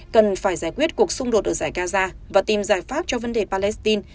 cần phải giải quyết cuộc xung đột ở giải gaza và tìm giải pháp cho vấn đề palestine